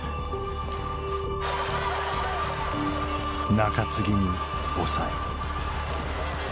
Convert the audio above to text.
中継ぎに抑え。